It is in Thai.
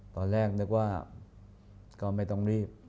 ตอนแรกนึกว่าก็ไม่ต้องรีบ